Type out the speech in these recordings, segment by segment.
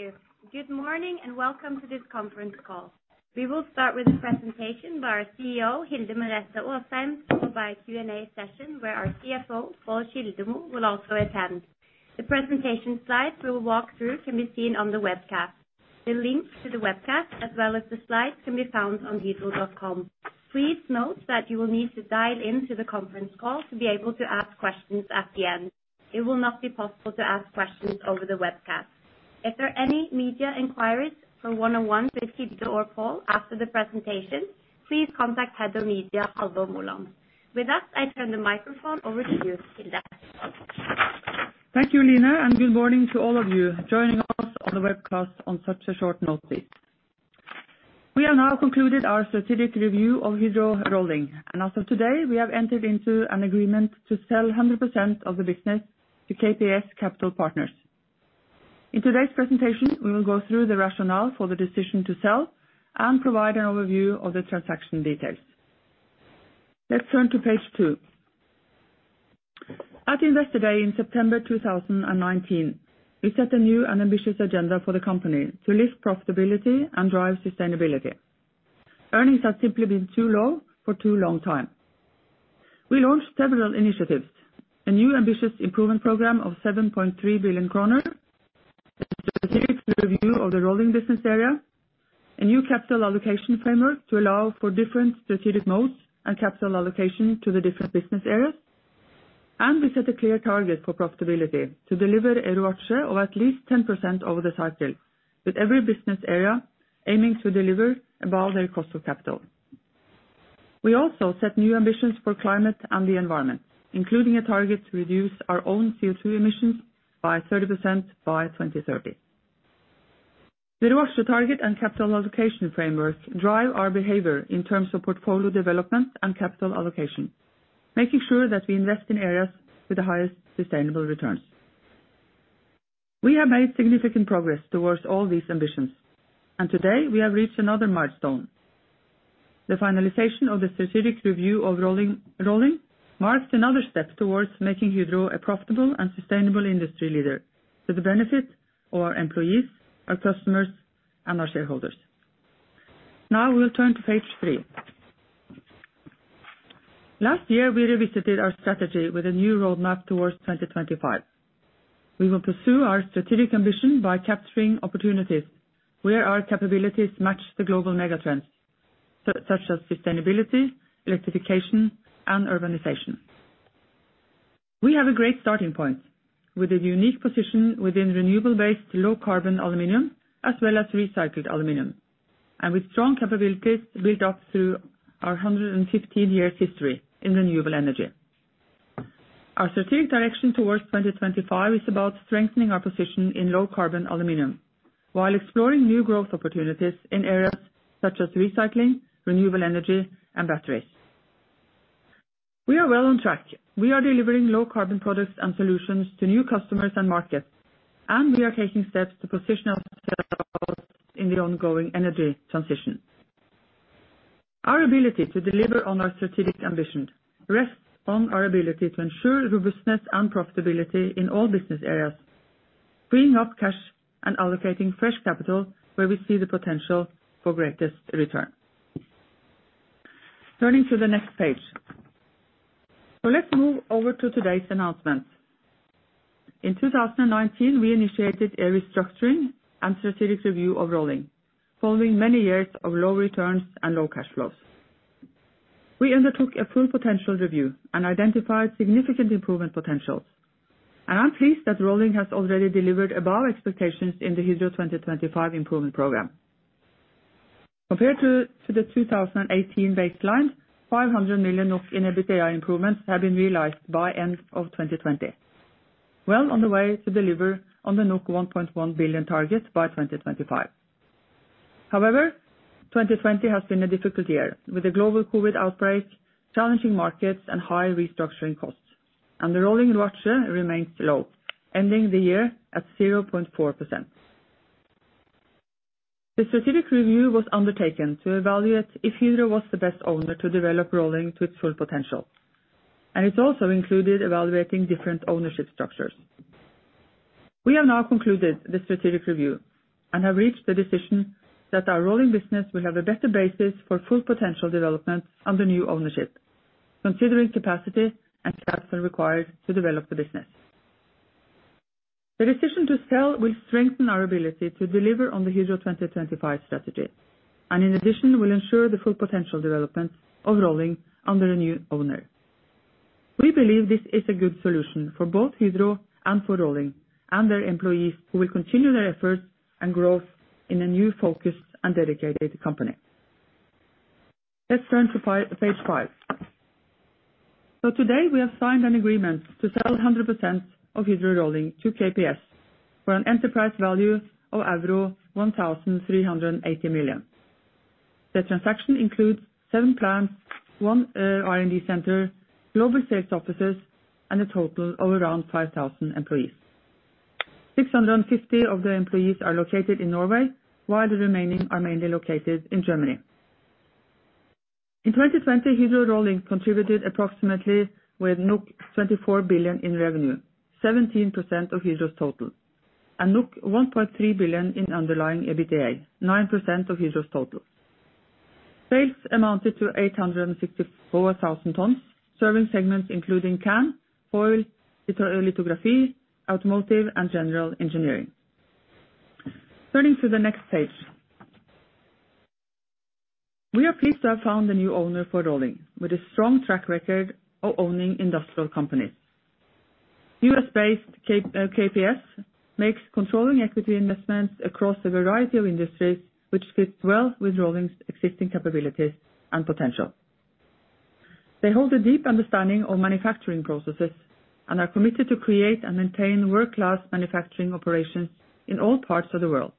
Thank you. Good morning, and welcome to this conference call. We will start with a presentation by our CEO, Hilde Merete Aasheim, followed by a Q&A session where our CFO, Pål Kildemo, will also attend. The presentation slides we'll walk through can be seen on the webcast. The link to the webcast, as well as the slides, can be found on hydro.com. Please note that you will need to dial into the conference call to be able to ask questions at the end. It will not be possible to ask questions over the webcast. If there are any media inquiries for one-on-one with Hilde or Pål after the presentation, please contact Head of Media, Halvor Molland. With that, I turn the microphone over to you, Hilde. Thank you, Line. Good morning to all of you joining us on the webcast on such a short notice. We have now concluded our strategic review of Hydro Rolling. As of today, we have entered into an agreement to sell 100% of the business to KPS Capital Partners. In today's presentation, we will go through the rationale for the decision to sell and provide an overview of the transaction details. Let's turn to page two. At Investor Day in September 2019, we set a new and ambitious agenda for the company to lift profitability and drive sustainability. Earnings have simply been too low for too long a time. We launched several initiatives, a new ambitious improvement program of 7.3 billion kroner, a strategic review of the Rolling business area, a new capital allocation framework to allow for different strategic modes and capital allocation to the different business areas. We set a clear target for profitability to deliver a ROACE of at least 10% over the cycle, with every business area aiming to deliver above their cost of capital. We also set new ambitions for climate and the environment, including a target to reduce our own CO2 emissions by 30% by 2030. The ROACE target and capital allocation frameworks drive our behavior in terms of portfolio development and capital allocation, making sure that we invest in areas with the highest sustainable returns. We have made significant progress towards all these ambitions, and today we have reached another milestone. The finalization of the strategic review of Rolling marks another step towards making Hydro a profitable and sustainable industry leader to the benefit of our employees, our customers, and our shareholders. Now we'll turn to page three. Last year, we revisited our strategy with a new roadmap towards 2025. We will pursue our strategic ambition by capturing opportunities where our capabilities match the global mega trends such as sustainability, electrification, and urbanization. We have a great starting point with a unique position within renewable-based, low-carbon aluminum, as well as recycled aluminum. With strong capabilities built up through our 115 years history in renewable energy. Our strategic direction towards 2025 is about strengthening our position in low-carbon aluminum, while exploring new growth opportunities in areas such as recycling, renewable energy, and batteries. We are well on track. We are delivering low-carbon products and solutions to new customers and markets, and we are taking steps to position ourselves in the ongoing energy transition. Our ability to deliver on our strategic ambition rests on our ability to ensure robustness and profitability in all business areas, freeing up cash, and allocating fresh capital where we see the potential for greatest return. Turning to the next page. Let's move over to today's announcements. In 2019, we initiated a restructuring and strategic review of Rolling following many years of low returns and low cash flows. We undertook a full potential review and identified significant improvement potentials, and I'm pleased that Rolling has already delivered above expectations in the Hydro 2025 improvement program. Compared to the 2018 baseline, 500 million NOK in EBITDA improvements have been realized by end of 2020. Well on the way to deliver on the 1.1 billion target by 2025. However, 2020 has been a difficult year, with the global COVID outbreak, challenging markets, and high restructuring costs. The Rolling ROACE remains low, ending the year at 0.4%. The strategic review was undertaken to evaluate if Hydro was the best owner to develop Rolling to its full potential, and it also included evaluating different ownership structures. We have now concluded the strategic review and have reached the decision that our Rolling will have a better basis for full potential development under new ownership, considering capacity and capital required to develop the business. The decision to sell will strengthen our ability to deliver on the Hydro 2025, and in addition, will ensure the full potential development of Rolling under a new owner. We believe this is a good solution for both Hydro and for Rolling. Their employees will continue their efforts and growth in a new focused and dedicated company. Let's turn to page five. Today, we have signed an agreement to sell 100% of Hydro Rolling to KPS for an enterprise value of euro 1,380 million. The transaction includes seven plants, one R&D center, global sales offices, and a total of around 5,000 employees. 650 of the employees are located in Norway, while the remaining are mainly located in Germany. In 2020, Hydro Rolling contributed approximately with 24 billion in revenue, 17% of Hydro's total, and 1.3 billion in underlying EBITDA, 9% of Hydro's total. Sales amounted to 864,000 tons, serving segments including can, foil, lithography, automotive, and general engineering. Turning to the next page. We are pleased to have found a new owner for Rolling with a strong track record of owning industrial companies. U.S.-based KPS makes controlling equity investments across a variety of industries, which fits well with Rolling's existing capabilities and potential. They hold a deep understanding of manufacturing processes and are committed to create and maintain world-class manufacturing operations in all parts of the world,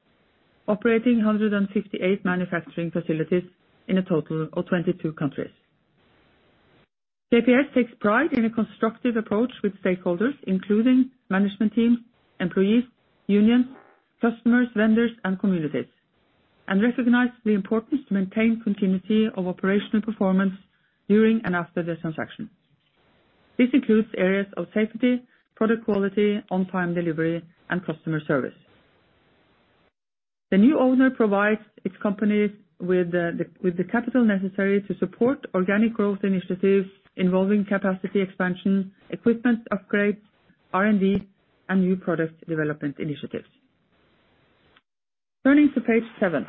operating 158 manufacturing facilities in a total of 22 countries. KPS takes pride in a constructive approach with stakeholders, including management teams, employees, unions, customers, vendors, and communities, and recognize the importance to maintain continuity of operational performance during and after the transaction. This includes areas of safety, product quality, on-time delivery, and customer service. The new owner provides its companies with the capital necessary to support organic growth initiatives involving capacity expansion, equipment upgrades, R&D, and new product development initiatives. Turning to page seven.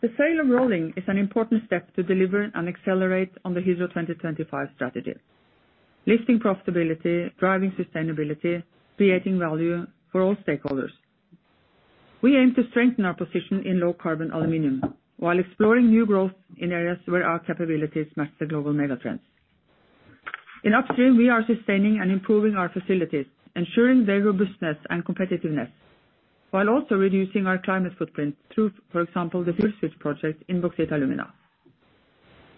The sale of Rolling is an important step to deliver and accelerate on the Hydro 2025 strategy, lifting profitability, driving sustainability, creating value for all stakeholders. We aim to strengthen our position in low-carbon aluminum while exploring new growth in areas where our capabilities match the global mega trends. In upstream, we are sustaining and improving our facilities, ensuring their robustness and competitiveness, while also reducing our climate footprint through, for example, the First Fit project in Bauxite & Alumina.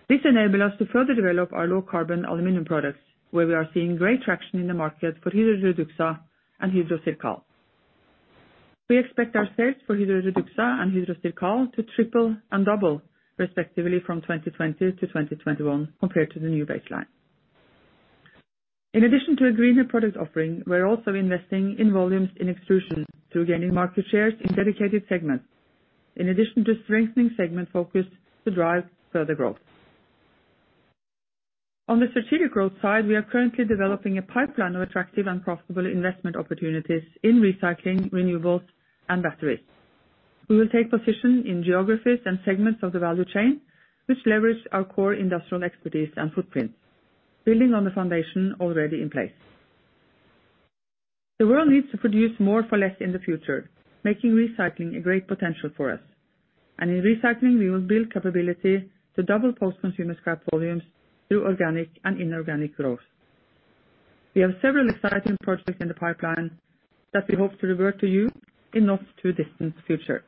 This enable us to further develop our low-carbon aluminum products, where we are seeing great traction in the market for Hydro REDUXA and Hydro CIRCAL. We expect our sales for Hydro REDUXA and Hydro CIRCAL to triple and double, respectively, from 2020 to 2021 compared to the new baseline. In addition to a greener product offering, we're also investing in volumes in Extrusions through gaining market shares in dedicated segments, in addition to strengthening segment focus to drive further growth. On the strategic growth side, we are currently developing a pipeline of attractive and profitable investment opportunities in recycling, renewables, and batteries. We will take position in geographies and segments of the value chain, which leverage our core industrial expertise and footprint, building on the foundation already in place. The world needs to produce more for less in the future, making recycling a great potential for us. In recycling, we will build capability to double post-consumer scrap volumes through organic and inorganic growth. We have several exciting projects in the pipeline that we hope to revert to you in not too distant future.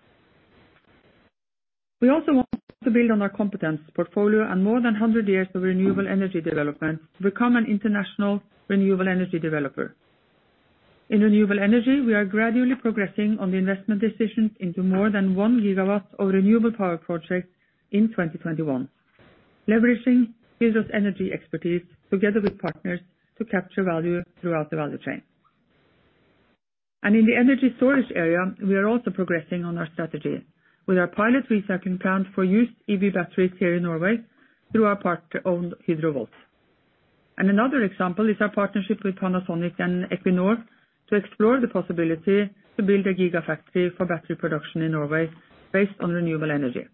We also want to build on our competence portfolio and more than 100 years of renewable energy development to become an international renewable energy developer. In renewable energy, we are gradually progressing on the investment decisions into more than one gigawatts of renewable power projects in 2021, leveraging Hydro's energy expertise together with partners to capture value throughout the value chain. In the energy storage area, we are also progressing on our strategy with our pilot recycling plant for used EV batteries here in Norway through our part-owned Hydro Volt. Another example is our partnership with Panasonic and Equinor to explore the possibility to build a gigafactory for battery production in Norway based on renewable energy.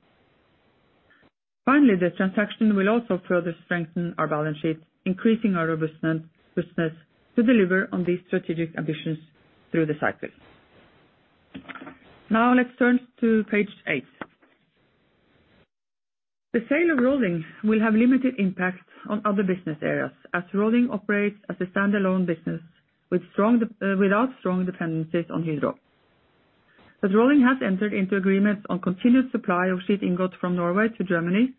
Finally, the transaction will also further strengthen our balance sheet, increasing our robustness to deliver on these strategic ambitions through the cycle. Now let's turn to page eight. The sale of Rolling will have limited impact on other business areas, as Rolling operates as a standalone business without strong dependencies on Hydro. Rolling has entered into agreements on continued supply of sheet ingot from Norway to Germany,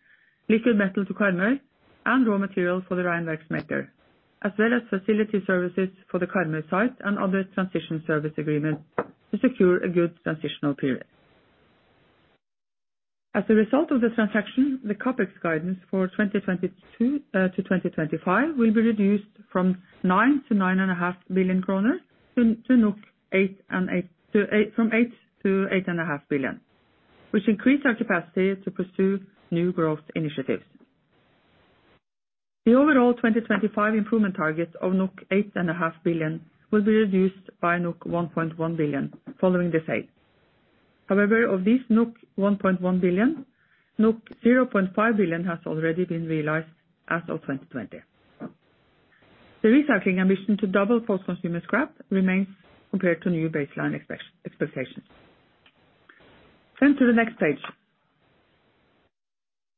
liquid metal to Karmøy, and raw material for the Rheinwerk smelter, as well as facility services for the Karmøy site and other transition service agreements to secure a good transitional period. As a result of the transaction, the CapEx guidance for 2022-2025 will be reduced from 9 billion-9.5 billion kroner to 8 billion-8.5 billion, which increase our capacity to pursue new growth initiatives. The overall 2025 improvement target of 8.5 billion will be reduced by 1.1 billion following the sale. However, of this 1.1 billion, 0.5 billion has already been realized as of 2020. The recycling ambition to double post-consumer scrap remains compared to new baseline expectations. Turn to the next page.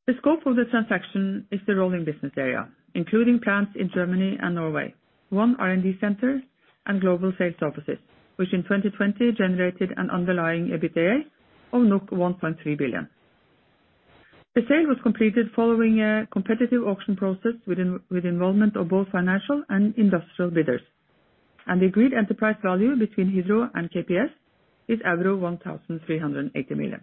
The scope of the transaction is the Rolling business area, including plants in Germany and Norway, one R&D center, and global sales offices, which in 2020 generated an underlying EBITDA of 1.3 billion. The sale was completed following a competitive auction process with involvement of both financial and industrial bidders. The agreed enterprise value between Hydro and KPS is 1,380 million.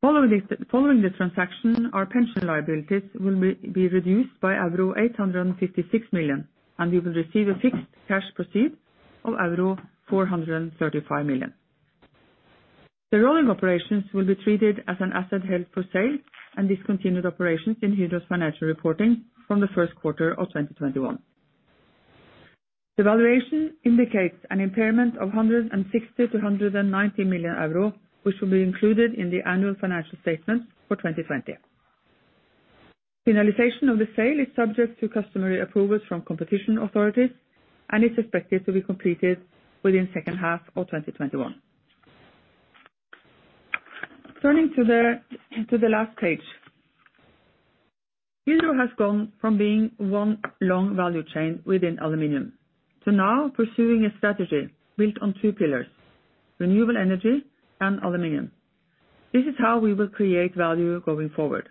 Following the transaction, our pension liabilities will be reduced by euro 856 million, and we will receive a fixed cash proceed of euro 435 million. The Rolling operations will be treated as an asset held for sale and discontinued operations in Hydro's financial reporting from the first quarter of 2021. The valuation indicates an impairment of 160 million-190 million euro, which will be included in the annual financial statements for 2020. Finalization of the sale is subject to customary approvals from competition authorities and is expected to be completed within the second half of 2021. Turning to the last page. Hydro has gone from being one long value chain within aluminium to now pursuing a strategy built on two pillars: renewable energy and aluminium. This is how we will create value going forward.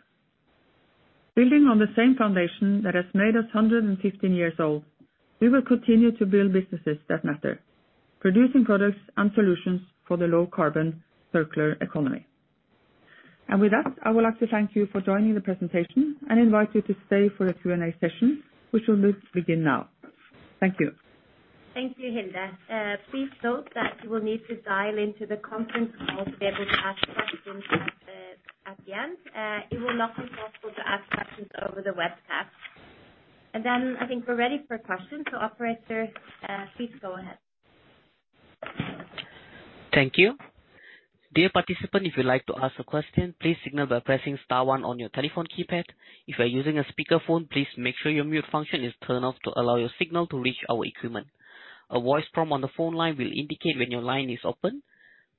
Building on the same foundation that has made us 115 years old, we will continue to build businesses that matter, producing products and solutions for the low-carbon circular economy. With that, I would like to thank you for joining the presentation and invite you to stay for the Q&A session, which will begin now. Thank you. Thank you, Hilde. Please note that you will need to dial into the conference call to be able to ask questions at the end. It will not be possible to ask questions over the webcast. I think we're ready for questions. operator, please go ahead. Thank you. Dear participant, if you'd like to ask a question, please signal by pressing star one on your telephone keypad. If you are using a speakerphone, please make sure your mute function is turned off to allow your signal to reach our equipment. A voice prompt on the phone line will indicate when your line is open.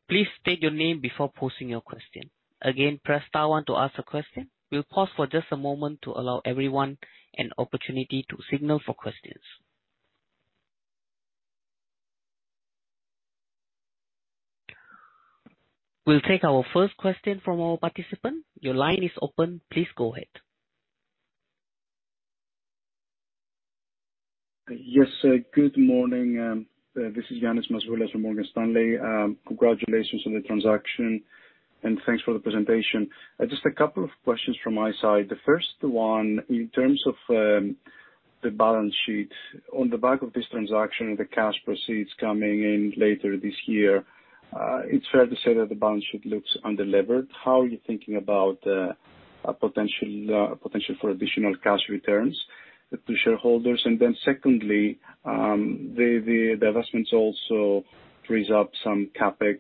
Please state your name before posing your question. Again, press star one to ask a question. We'll pause for just a moment to allow everyone an opportunity to signal for questions. We'll take our first question from our participant. Your line is open. Please go ahead. Yes. Good morning. This is Ioannis Masvoulas from Morgan Stanley. Congratulations on the transaction, and thanks for the presentation. Just a couple of questions from my side. The first one, in terms of the balance sheet. On the back of this transaction, the cash proceeds coming in later this year, it is fair to say that the balance sheet looks unlevered. How are you thinking about a potential for additional cash returns to shareholders? Secondly, the divestments also frees up some CapEx.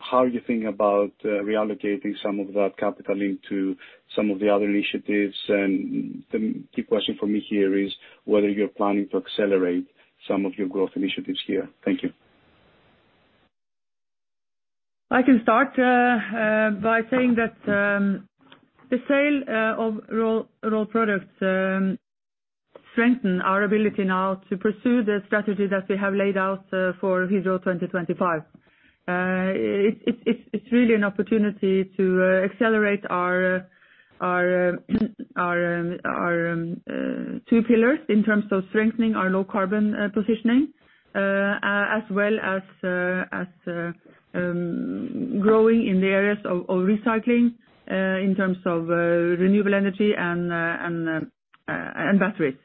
How are you thinking about reallocating some of that capital into some of the other initiatives? The key question for me here is whether you are planning to accelerate some of your growth initiatives here. Thank you. I can start by saying that the sale of raw products strengthen our ability now to pursue the strategy that we have laid out for Hydro 2025. It's really an opportunity to accelerate our two pillars in terms of strengthening our low-carbon positioning, as well as growing in the areas of recycling in terms of renewable energy and batteries.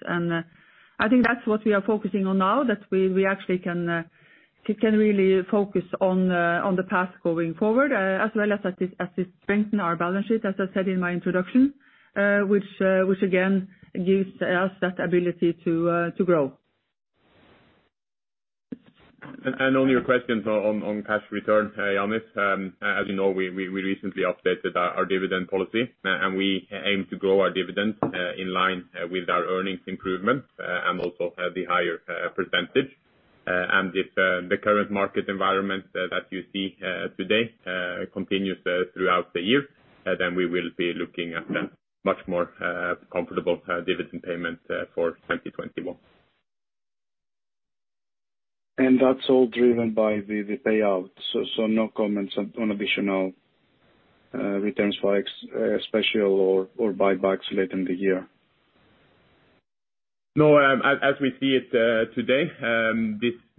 I think that's what we are focusing on now, that we actually can really focus on the path going forward as well as strengthen our balance sheet, as I said in my introduction, which again gives us that ability to grow. On your questions on cash return, Ioannis, as you know, we recently updated our dividend policy, and we aim to grow our dividends in line with our earnings improvement and also have the higher percentage. If the current market environment that you see today continues throughout the year, we will be looking at a much more comfortable dividend payment for 2021. That's all driven by the payout. No comments on additional returns for special or buybacks late in the year? No. As we see it today,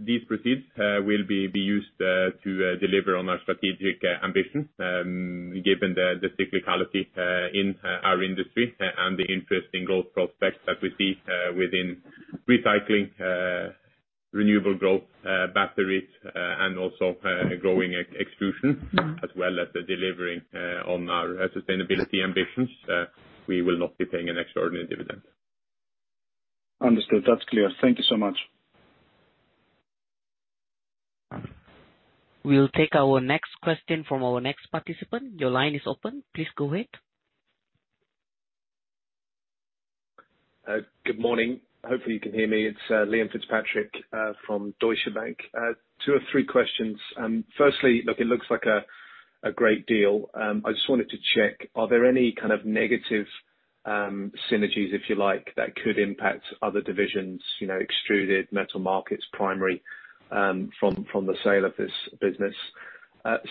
these proceeds will be used to deliver on our strategic ambition, given the cyclicality in our industry and the interesting growth prospects that we see within recycling, renewable growth, batteries, and also growing Extrusions, as well as delivering on our sustainability ambitions. We will not be paying an extraordinary dividend. Understood. That's clear. Thank you so much. We'll take our next question from our next participant. Your line is open. Please go ahead. Good morning. Hopefully you can hear me. It's Liam Fitzpatrick from Deutsche Bank. Two or three questions. Firstly, it looks like a great deal. I just wanted to check, are there any kind of negative synergies, if you like, that could impact other divisions, Extruded, metal markets, primary, from the sale of this business?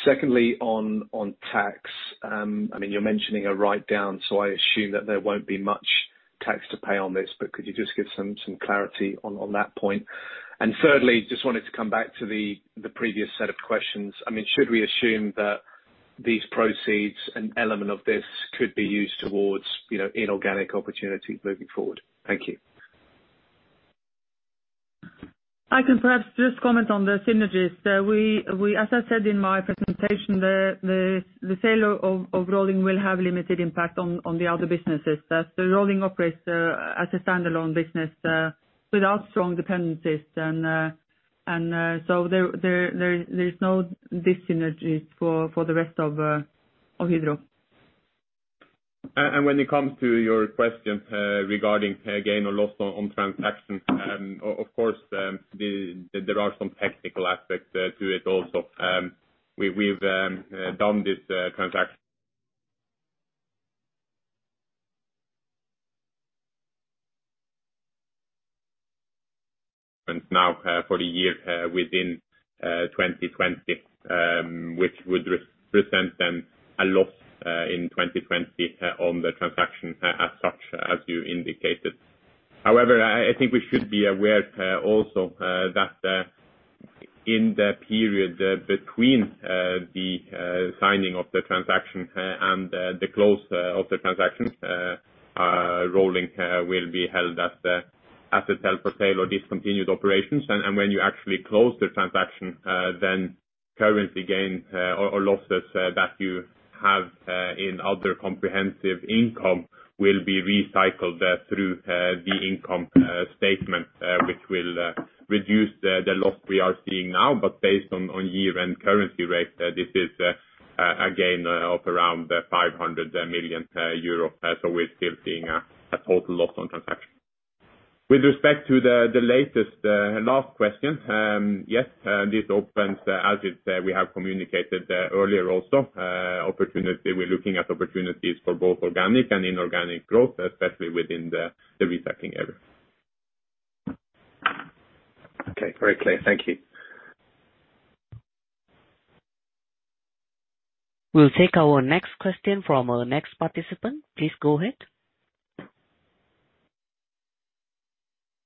Secondly, on tax. You're mentioning a write-down, so I assume that there won't be much tax to pay on this, but could you just give some clarity on that point? Thirdly, just wanted to come back to the previous set of questions. Should we assume that these proceeds, an element of this, could be used towards inorganic opportunities moving forward? Thank you. I can perhaps just comment on the synergies. As I said in my presentation, the sale of Rolling will have limited impact on the other businesses. The Rolling operates as a standalone business without strong dependencies. There is no dyssynergies for the rest of Hydro. When it comes to your question regarding gain or loss on transactions, of course, there are some technical aspects to it also. We've done this transaction now for the year within 2020, which would represent then a loss in 2020 on the transaction as such, as you indicated. I think we should be aware also that in the period between the signing of the transaction and the close of the transaction, Rolling will be held as a sell for sale or discontinued operations. When you actually close the transaction, then currency gains or losses that you have in other comprehensive income will be recycled through the income statement, which will reduce the loss we are seeing now. Based on year-end currency rate, this is a gain of around 500 million euros. We're still seeing a total loss on transaction. With respect to the latest, last question. Yes, this opens, as we have communicated earlier also, we're looking at opportunities for both organic and inorganic growth, especially within the recycling area. Okay, very clear. Thank you. We'll take our next question from our next participant. Please go ahead.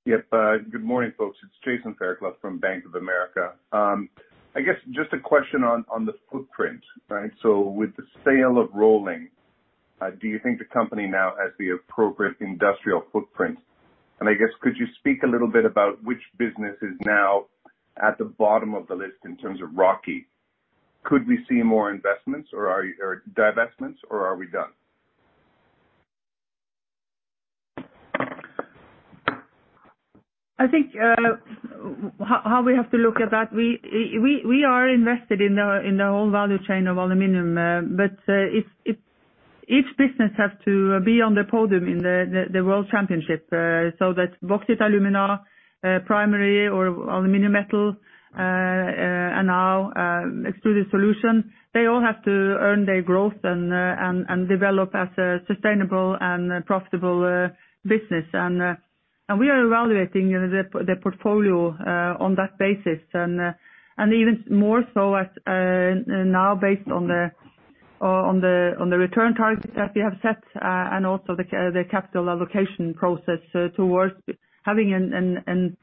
Yep. Good morning, folks. It's Jason Fairclough from Bank of America. I guess just a question on the footprint, right? With the sale of Rolling, do you think the company now has the appropriate industrial footprint? I guess could you speak a little bit about which business is now at the bottom of the list in terms of ROCE? Could we see more investments or divestments or are we done? I think how we have to look at that, we are invested in the whole value chain of aluminium. Each business has to be on the podium in the world championship. That Bauxite & Alumina, primary or aluminium metal, and now Extruded Solutions, they all have to earn their growth and develop as a sustainable and profitable business. We are evaluating the portfolio on that basis. Even more so as now based on the return targets that we have set and also the capital allocation process towards having an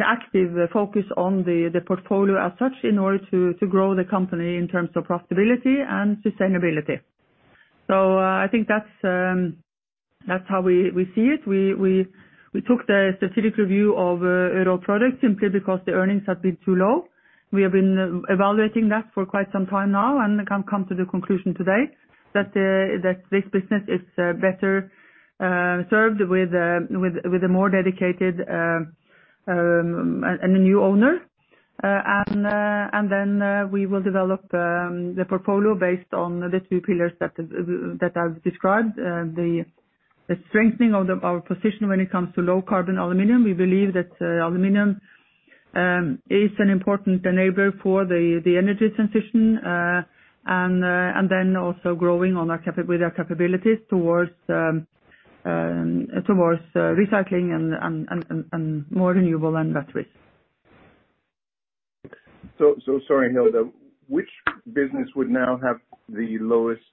active focus on the portfolio as such in order to grow the company in terms of profitability and sustainability. I think that's how we see it. We took the strategic review of Rolling simply because the earnings had been too low. We have been evaluating that for quite some time now and can come to the conclusion today that this business is better served with a more dedicated and a new owner. We will develop the portfolio based on the two pillars that I've described. The strengthening of our position when it comes to low-carbon aluminum. We believe that aluminum is an important enabler for the energy transition. Also growing with our capabilities towards recycling and more renewable and batteries. Sorry, Hilde. Which business would now have the lowest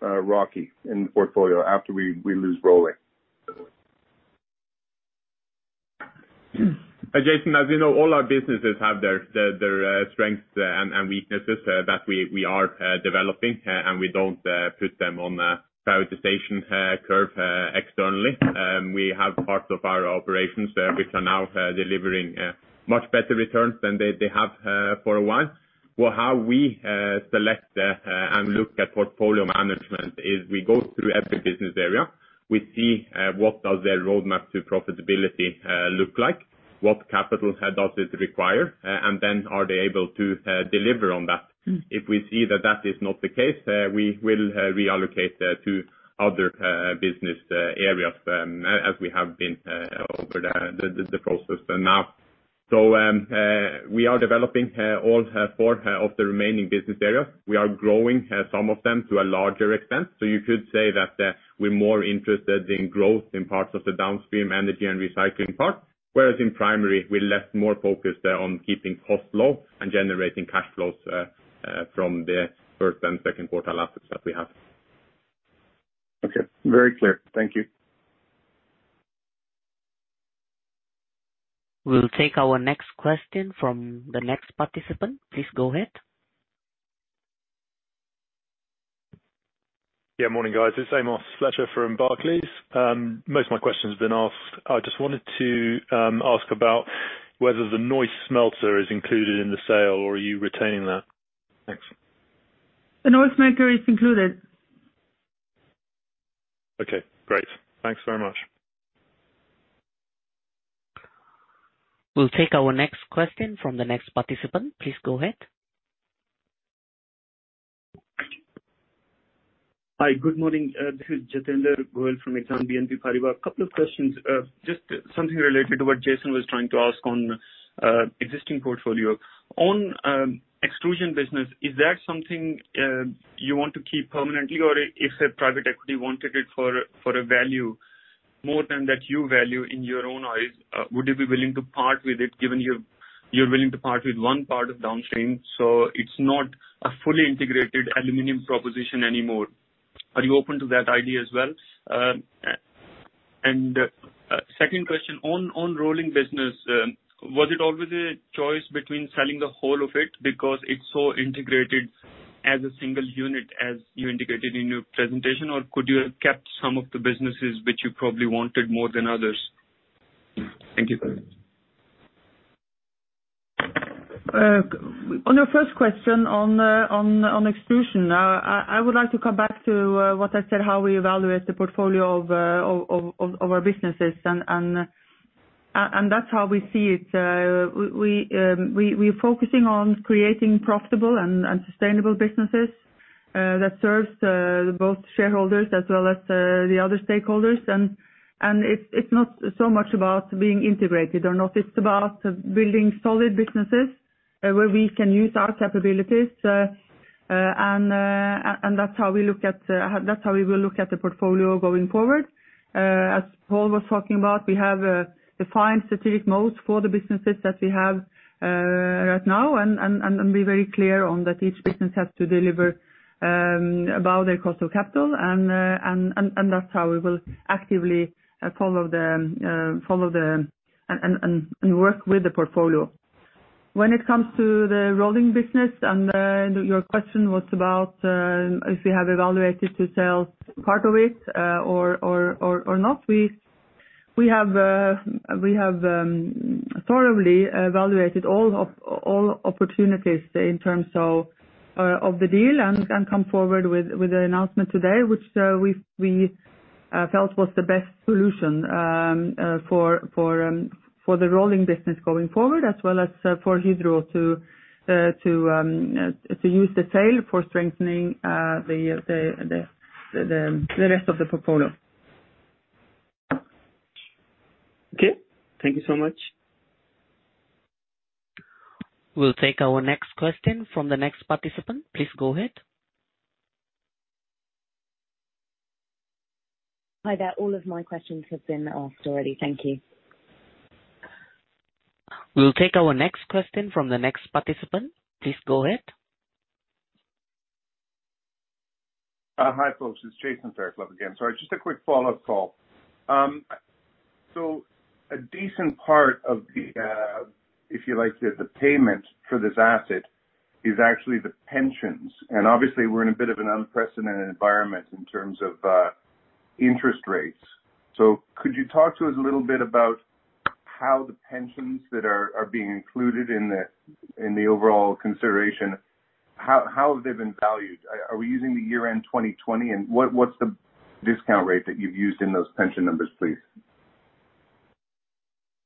ROCE in the portfolio after we lose Rolling? Jason, as you know, all our businesses have their strengths and weaknesses that we are developing, and we don't put them on a prioritization curve externally. We have parts of our operations which are now delivering much better returns than they have for a while. How we select and look at portfolio management is we go through every business area. We see what does their roadmap to profitability look like, what capital does it require, and then are they able to deliver on that? If we see that that is not the case, we will reallocate to other business areas as we have been over the process till now. We are developing all four of the remaining business areas. We are growing some of them to a larger extent. You could say that we're more interested in growth in parts of the downstream energy and recycling part, whereas in primary, we're more focused on keeping costs low and generating cash flows from the first and second quarter assets that we have. Okay. Very clear. Thank you. We'll take our next question from the next participant. Please go ahead. Yeah, morning, guys. It's Amos Fletcher from Barclays. Most of my question's been asked. I just wanted to ask about whether the Rheinwerk smelter is included in the sale or are you retaining that? Thanks. The Neuss smelter is included. Okay, great. Thanks very much. We'll take our next question from the next participant. Please go ahead. Hi. Good morning. This is Jatinder Goel from Exane BNP Paribas. A couple of questions. Just something related to what Jason was trying to ask on existing portfolio. On Extrusions business, is that something you want to keep permanently? Or if a private equity wanted it for a value more than that you value in your own eyes, would you be willing to part with it, given you're willing to part with one part of downstream, so it's not a fully integrated aluminum proposition anymore? Are you open to that idea as well? Second question, on Rolling business, was it always a choice between selling the whole of it because it's so integrated as a single unit, as you indicated in your presentation? Or could you have kept some of the businesses which you probably wanted more than others? Thank you. On your first question, on Extrusions, I would like to come back to what I said, how we evaluate the portfolio of our businesses. That's how we see it. We're focusing on creating profitable and sustainable businesses that serves both shareholders as well as the other stakeholders. It's not so much about being integrated or not. It's about building solid businesses where we can use our capabilities, and that's how we will look at the portfolio going forward. As Pål was talking about, we have defined strategic modes for the businesses that we have right now and we're very clear on that each business has to deliver above their cost of capital. That's how we will actively follow them and work with the portfolio. When it comes to the Rolling business, and your question was about if we have evaluated to sell part of it or not. We have thoroughly evaluated all opportunities in terms of the deal and come forward with the announcement today, which we felt was the best solution for the Rolling business going forward as well as for Hydro to use the sale for strengthening the rest of the portfolio. Okay. Thank you so much. We'll take our next question from the next participant. Please go ahead. Hi there. All of my questions have been asked already. Thank you. We'll take our next question from the next participant. Please go ahead. Hi, folks. It's Jason Fairclough again. Sorry, just a quick follow-up call. A decent part of the, if you like, the payment for this asset is actually the pensions. Obviously, we're in a bit of an unprecedented environment in terms of interest rates. Could you talk to us a little bit about how the pensions that are being included in the overall consideration, how have they been valued? Are we using the year-end 2020? What's the discount rate that you've used in those pension numbers, please?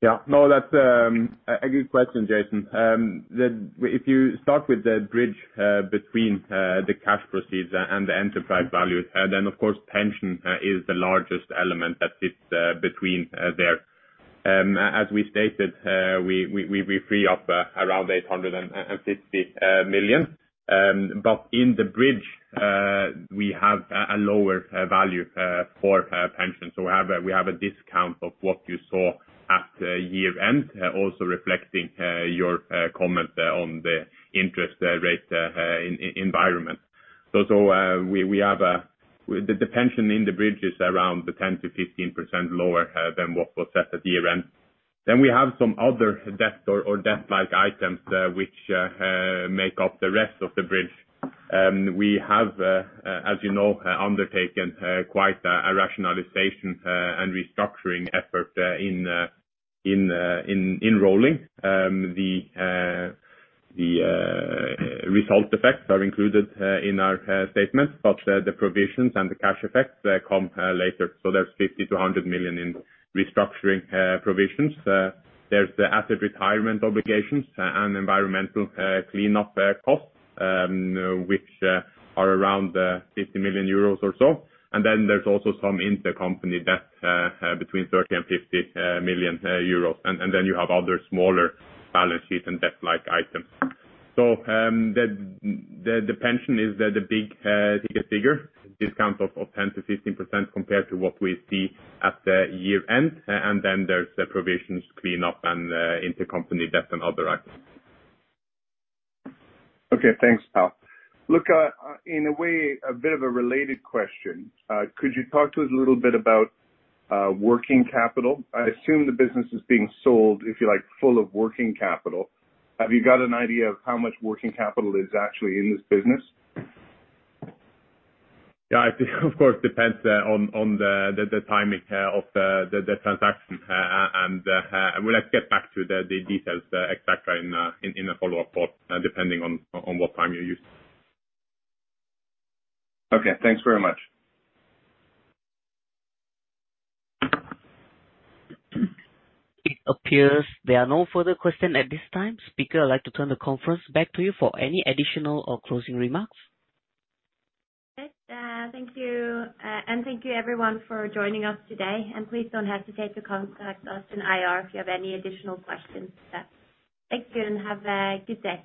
That's a good question, Jason. If you start with the bridge between the cash proceeds and the enterprise value, of course, pension is the largest element that sits between there. As we stated, we free up around 850 million. In the bridge, we have a lower value for pension. We have a discount of what you saw at year-end, also reflecting your comment on the interest rate environment. The pension in the bridge is around 10%-15% lower than what was set at year-end. We have some other debt or debt-like items which make up the rest of the bridge. We have, as you know, undertaken quite a rationalization and restructuring effort in Rolling. The result effects are included in our statement, the provisions and the cash effects come later. There's 50 million-100 million in restructuring provisions. There's the asset retirement obligations and environmental cleanup costs, which are around 50 million euros or so. There's also some intercompany debt, between 30 and 50 million euros. You have other smaller balance sheet and debt-like items. The pension is the biggest figure, discount of 10% to 15% compared to what we see at the year-end. There's the provisions clean up and intercompany debt and other items. Okay. Thanks, Pål. In a way, a bit of a related question. Could you talk to us a little bit about working capital? I assume the business is being sold, if you like, full of working capital. Have you got an idea of how much working capital is actually in this business? Yeah. It, of course, depends on the timing of the transaction. We'll have to get back to the details et cetera in a follow-up call, depending on what time you use. Okay. Thanks very much. It appears there are no further question at this time. Speaker, I'd like to turn the conference back to you for any additional or closing remarks. Okay. Thank you. Thank you everyone for joining us today, and please don't hesitate to contact us in IR if you have any additional questions. Thank you and have a good day.